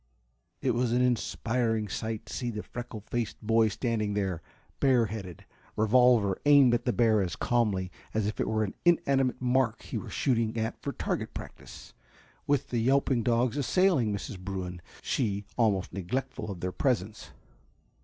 It was an inspiring sight to see the freckle faced boy standing there, bare headed, revolver aimed at the bear as calmly as if it were an inanimate mark he were shooting at for target practice, with the yelping dogs assailing Mrs. Bruin, she almost neglectful of their presence.